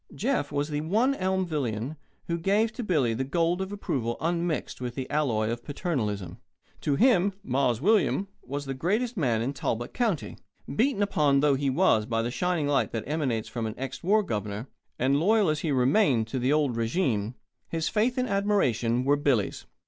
Jeff was the one Elmvillian who gave to Billy the gold of approval unmixed with the alloy of paternalism. To him "Mars William" was the greatest man in Talbot County. Beaten upon though he was by the shining light that emanates from an ex war governor, and loyal as he remained to the old régime, his faith and admiration were Billy's.